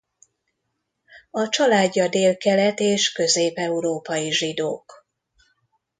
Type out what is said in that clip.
A családja Délkelet- és Közép-Európai zsidók.